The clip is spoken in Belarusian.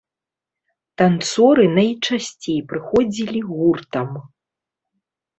Танцоры найчасцей прыходзілі гуртам.